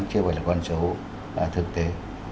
chứ không phải là con số thực tế